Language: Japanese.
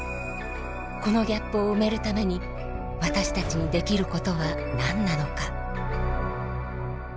このギャップを埋めるために私たちにできることは何なのか？